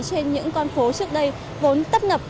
trên những con phố trước đây vốn tấp nập